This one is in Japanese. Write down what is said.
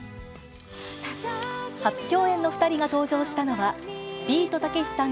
初共演の２人が登場したのが、ビートたけしさん